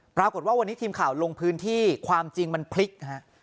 ปรากฏว่าวันนี้ทีมข่าวลงพื้นที่ความจริงมันพลิกฮะ